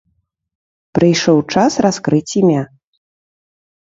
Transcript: Прыйшоў час раскрыць імя.